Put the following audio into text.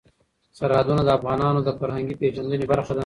سرحدونه د افغانانو د فرهنګي پیژندنې برخه ده.